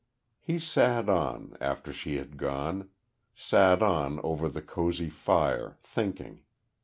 He sat on, after she had gone, sat on over the cosy fire, thinking.